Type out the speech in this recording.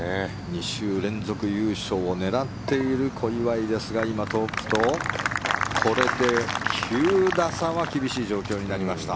２週連続優勝を狙っている小祝ですが今、トップとこれで９打差は厳しい状況になりました。